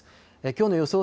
きょうの予想